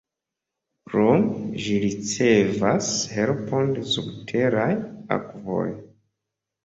Krome ĝi ricevas helpon de subteraj akvoj.